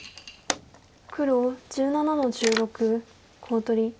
黒１７の十六コウ取り。